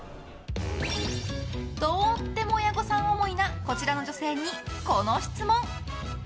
とっても親御さん思いなこちらの女性に、この質問。